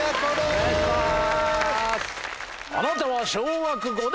お願いします。